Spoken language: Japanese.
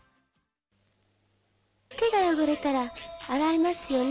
手が汚れたら洗いますよね。